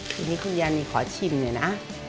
ทีนี้คุณยานีขอชิมหน่อยนะ